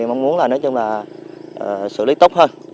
mong muốn là nói chung là xử lý tốt hơn